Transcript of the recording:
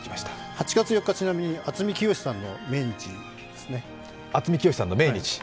８月４日、ちなみに渥美清さんの命日ですね。